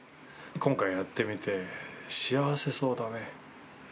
今回やってみて、幸せそうだね。